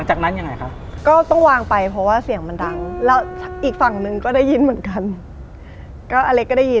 หนูว่าคุณเมื่อกี้